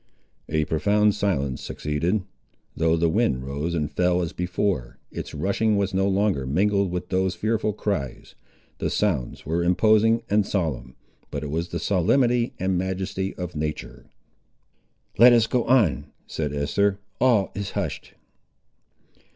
A profound silence succeeded. Though the wind rose and fell as before, its rushing was no longer mingled with those fearful cries. The sounds were imposing and solemn, but it was the solemnity and majesty of nature. "Let us go on," said Esther; "all is hushed."